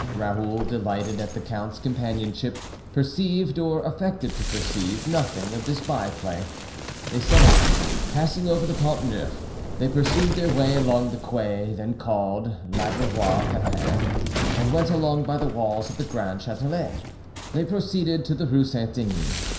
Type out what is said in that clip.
Raoul, delighted at the count's companionship, perceived, or affected to perceive nothing of this byplay. They set out, passing over the Pont Neuf; they pursued their way along the quay then called L'Abreuvoir Pepin, and went along by the walls of the Grand Chatelet. They proceeded to the Rue Saint Denis.